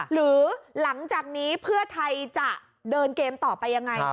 หรือหลังจากนี้เพื่อไทยจะเดินเกมต่อไปยังไง